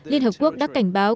liên hợp quốc đã cảnh báo